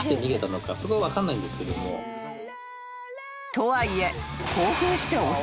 ［とはいえ］